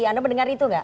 anda mendengar itu gak